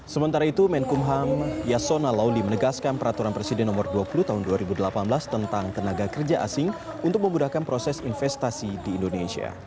sementara itu menkumham yasona lauli menegaskan peraturan presiden nomor dua puluh tahun dua ribu delapan belas tentang tenaga kerja asing untuk memudahkan proses investasi di indonesia